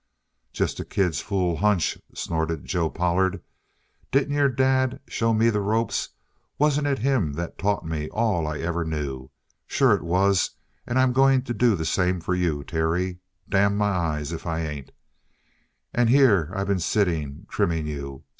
"Just a kid's fool hunch!" snorted Joe Pollard. "Didn't your dad show me the ropes? Wasn't it him that taught me all I ever knew? Sure it was, and I'm going to do the same for you, Terry. Damn my eyes if I ain't! And here I been sitting, trimming you!